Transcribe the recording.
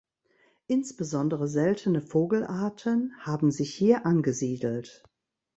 Insbesondere seltene Vogelarten haben sich hier angesiedelt.